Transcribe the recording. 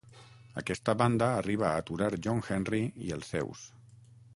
Aquesta banda arriba a aturar John Henry i els seus.